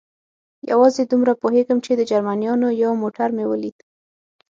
یوازې دومره پوهېږم، چې د جرمنیانو یو موټر مې ولید.